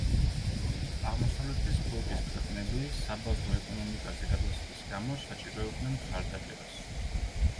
აღმოსავლეთის ბლოკის ქვეყნები საბაზრო ეკონომიკაზე გადასვლის გამო საჭიროებდნენ მხარდაჭერას.